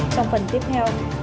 trong phần tiếp theo